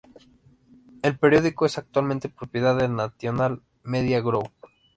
El periódico es actualmente propiedad de National Media Group.